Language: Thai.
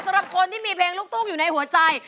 สำหรับคนที่มีเพลงลูกทุ่งอยู่ในหัวใจ